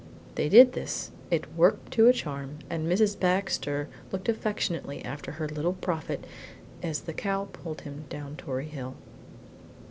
They did this; it worked to a charm, and Mrs. Baxter looked affectionately after her Little Prophet as the cow pulled him down Tory Hill.